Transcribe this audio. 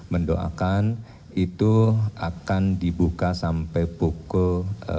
mendoakan itu akan dibuka sampai pukul